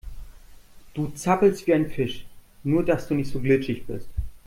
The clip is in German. Du zappelst wie ein Fisch, nur dass du nicht so glitschig bist.